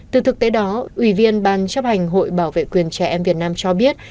từ thực tế đó ủy viên ban chấp hành hội bảo vệ quyền trẻ em việt nam cho biết